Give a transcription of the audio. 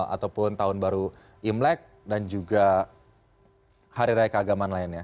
ataupun tahun baru imlek dan juga hari raya keagamaan lainnya